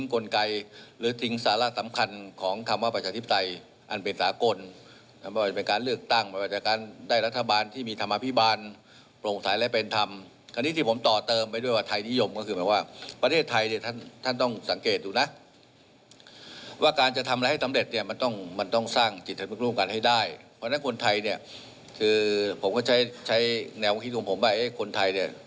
คือผมก็ใช้แนวคิดของผมว่าคนไทยเนี่ย